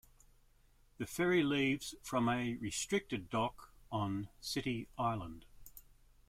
The ferry leaves from a restricted dock on City Island.